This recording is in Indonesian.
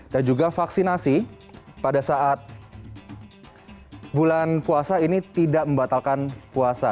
dan juga vaksinasi pada saat bulan puasa ini tidak membatalkan puasa